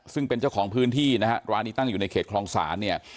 ซึ่งเป็นเจ้าของพื้นที่นะฮะร้านนี้ตั้งอยู่ในเขตคลองศาลเนี่ย